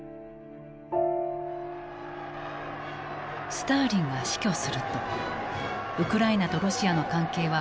スターリンが死去するとウクライナとロシアの関係は好転していく。